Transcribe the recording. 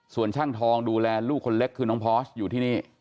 ส่วนช่างทองดูแลลูกคนเล็กคือน้องพอสอยู่ที่นี่